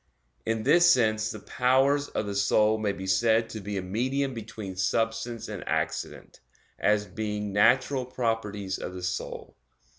In this sense the powers of the soul may be said to be a medium between substance and accident, as being natural properties of the soul.